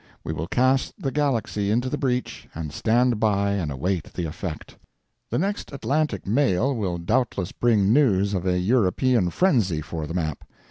We will cast THE GALAXY into the breach and stand by and await the effect. The next Atlantic mail will doubtless bring news of a European frenzy for the map.